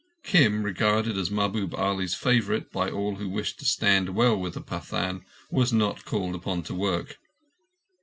Kim, regarded as Mahbub Ali's favourite by all who wished to stand well with the Pathan, was not called upon to work.